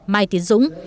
mai tiến dũng